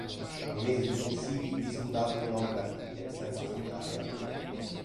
Nei mesi successivi disputa altre nove partite senza segnare alcuna rete.